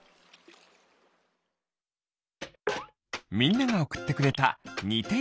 みんながおくってくれたにているもの